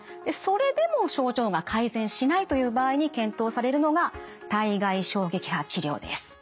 それでも症状が改善しないという場合に検討されるのが体外衝撃波治療です。